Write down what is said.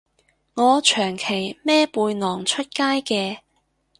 我長期孭背囊出街嘅